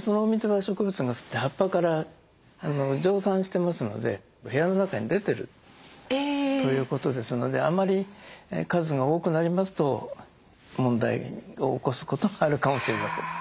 そのお水は植物が吸って葉っぱから蒸散してますので部屋の中に出てる。ということですのであまり数が多くなりますと問題を起こすことがあるかもしれません。